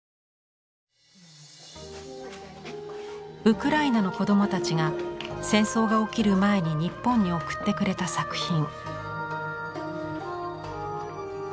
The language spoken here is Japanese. ウクライナの子どもたちが戦争が起きる前に日本に送ってくれた作品。